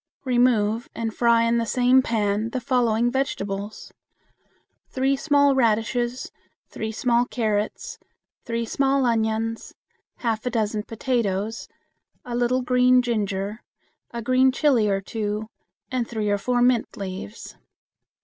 Remove and fry in the same pan the following vegetables: Three small radishes, three small carrots, three small onions, half a dozen potatoes, a little green ginger, a green chili or two, and three or four mint leaves.